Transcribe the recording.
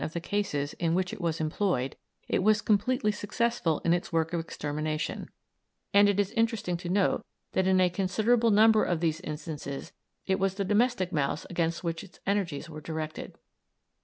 of the cases in which it was employed it was completely successful in its work of extermination, and it is interesting to note that in a considerable number of these instances it was the domestic mouse against which its energies were directed.